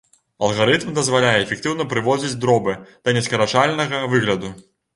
Алгарытм дазваляе эфектыўна прыводзіць дробы да нескарачальнага выгляду.